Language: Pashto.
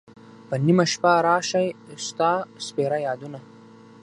په نیمه شپه را شی ستا سپیره یادونه